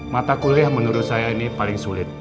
mata kuliah menurut saya ini paling sulit